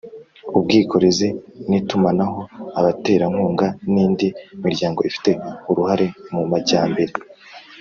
ubwikorezi n’itumanaho abaterankunga n'indi miryango ifite uruhare mu majyambere